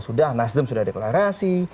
sudah nasdem sudah deklarasi